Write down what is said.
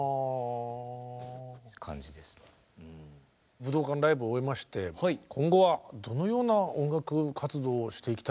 武道館ライブを終えまして今後はどのような音楽活動をしていきたいとお考えですか？